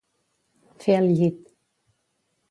Fer el llit.